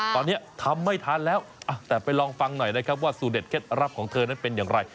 ตอนนี้ทำไม่ทันแล้วแต่ไปลองฟังหน่อยนะครับว่าสูตเด็ดเคล็ดลับของเธอนั้นเป็นอย่างไร